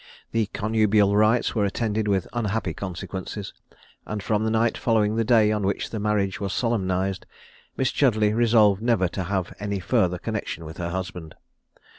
The connubial rites were attended with unhappy consequences; and from the night following the day on which the marriage was solemnized, Miss Chudleigh resolved never to have any further connexion with her husband.